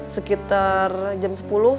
sekitar jam sepuluh